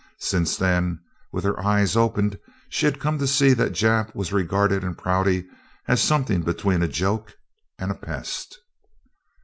Since then, with her eyes opened, she had come to see that Jap was regarded in Prouty as something between a joke and a pest.